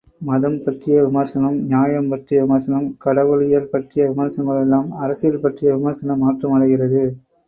மதம் பற்றிய விமர்சனம், நியாயம் பற்றிய விமர்சனம், கடவுளியல் பற்றிய விமர்சனங்களெல்லாம் அரசியல் பற்றிய விமர்சன மாற்றம் அடைகிறது.